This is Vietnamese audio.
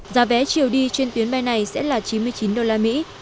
giá vé chiều đi trên tuyến bay này sẽ là chín mươi chín đô la mỹ